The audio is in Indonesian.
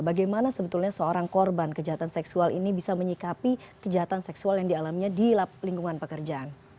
bagaimana sebetulnya seorang korban kejahatan seksual ini bisa menyikapi kejahatan seksual yang dialaminya di lingkungan pekerjaan